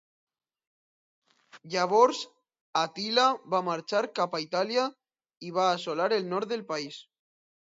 Llavors Àtila va marxar cap a Itàlia i va assolar el nord del país.